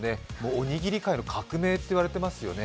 おにぎり界の革命って言われてますよね。